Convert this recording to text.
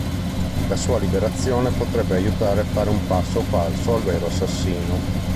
La sua liberazione potrebbe aiutare a far fare un passo falso al vero assassino.